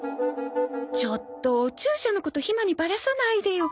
ちょっとお注射のことひまにバラさないでよ。